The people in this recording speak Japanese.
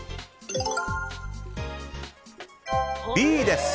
Ｂです。